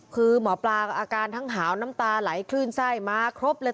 คือหมอปลาอาการทั้งหาวน้ำตาไหลคลื่นไส้มาครบเลย